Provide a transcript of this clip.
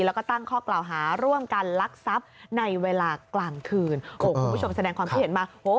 แล้วก็ตั้งข้อกล่าวหาร่วมกันลักทรัพย์ในเวลากลางคื่น